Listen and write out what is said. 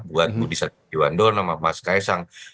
buat budi satriojiwandono sama mas ks angpangar